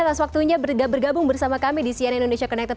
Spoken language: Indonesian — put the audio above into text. atas waktunya bergabung bersama kami di cnn indonesia connected